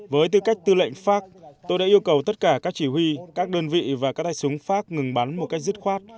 với tư cách tư lệnh pháp tôi đã yêu cầu tất cả các chỉ huy các đơn vị và các đại súng pháp ngừng bắn một cách dứt khoát